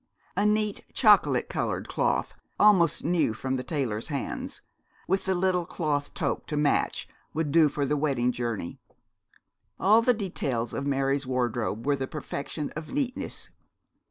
A neat chocolate coloured cloth, almost new from the tailor's hands, with a little cloth toque to match, would do for the wedding journey. All the details of Mary's wardrobe were the perfection of neatness.